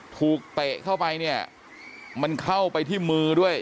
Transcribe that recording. ถูกเตะเข้าไปมันเข้าไปที่มือด้วย